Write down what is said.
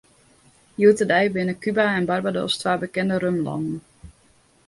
Hjoed-de-dei binne Kuba en Barbados twa bekende rumlannen.